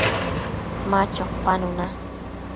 Ma chopanuna